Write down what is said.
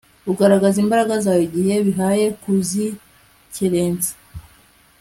ugaragaza imbaraga zawe, igihe bihaye kuzikerensa